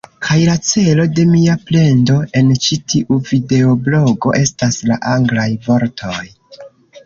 Kaj la celo de mia plendo en ĉi tiu videoblogo estas la anglaj vortoj